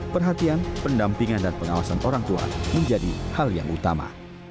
perhatian pendampingan dan pengawasan orang tua menjadi hal yang utama